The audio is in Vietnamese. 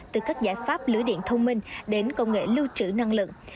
từ các giải pháp lưới điện thông minh đến công nghệ lưu trữ năng lượng